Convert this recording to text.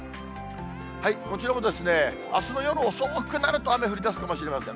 こちらもあすの夜遅くなると、雨降りだすかもしれません。